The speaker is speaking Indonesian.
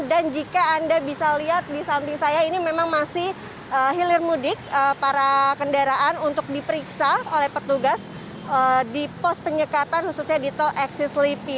dan jika anda bisa lihat di samping saya ini memang masih hilir mudik para kendaraan untuk diperiksa oleh petugas di pos penyekatan khususnya di tol eksis lepi